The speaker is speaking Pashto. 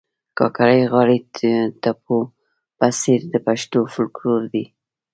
کاکړۍ غاړي ټپو په څېر د پښتو فولکور دي